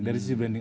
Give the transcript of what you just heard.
dari sisi branding